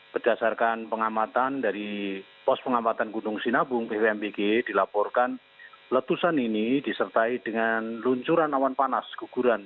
berdasarkan pengamatan dari pos pengamatan gunung sinabung bvmbg dilaporkan letusan ini disertai dengan luncuran awan panas guguran